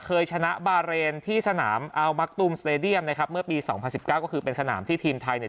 เคยชนะบาเรนที่สนามอัลมักตุมสเตดียมนะครับเมื่อปีสองพันสิบเก้าก็คือเป็นสนามที่ทีมไทยเนี่ย